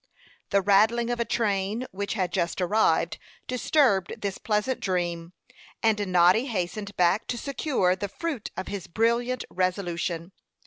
The rattling of a train which had just arrived disturbed this pleasant dream, and Noddy hastened back to secure the fruit of his brilliant resolution.